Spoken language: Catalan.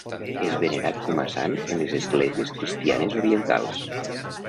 És venerat com a sant en les esglésies cristianes orientals.